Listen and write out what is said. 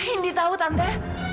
indi tau tante